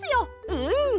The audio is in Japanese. うん！